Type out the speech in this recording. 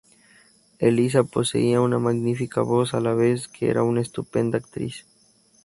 Elisa poseía una magnífica voz a la vez que era una estupenda actriz.